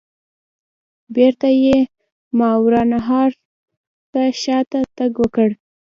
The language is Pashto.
بیرته یې ماوراء النهر ته شاته تګ وکړ.